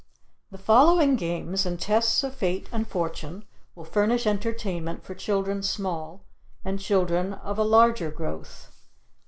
The following games and tests of fate and fortune will furnish entertainment for children small and children of a larger growth.